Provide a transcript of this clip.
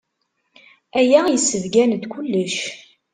Aya yessebgan-d kullec.